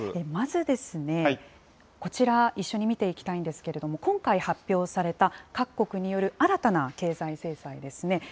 まず、こちら、一緒に見ていきたいんですけれども、今回発表された各国による新たな経済制裁ですね。